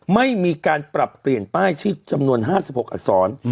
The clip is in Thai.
ไม่มีการปรับเปลี่ยนป้ายชื่อจำนวน๕๖อักษร